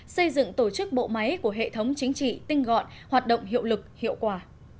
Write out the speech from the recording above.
xây dựng tổ chức bộ máy của hệ thống chính trị tinh gọn hoạt động hiệu lực hiệu quả